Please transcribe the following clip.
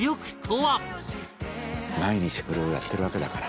毎日これをやってるわけだから。